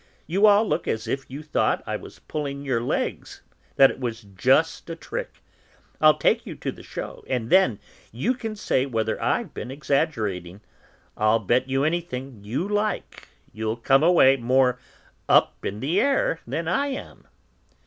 "You all look as if you thought I was pulling your legs, that it was just a trick. I'll take you to see the show, and then you can say whether I've been exaggerating; I'll bet you anything you like, you'll come away more 'up in the air' than I am!"